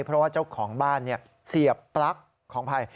เพราะว่าเจ้าของบ้านเสียบปลั๊กของอภัย